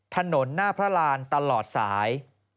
ถนนหน้าพระรานตลอดสาย